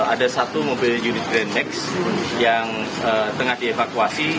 ada satu mobil unit grandex yang tengah dievakuasi